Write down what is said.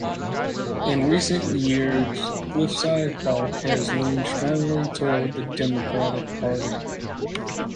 In recent years, Cliffside Park has leaned strongly toward the Democratic Party.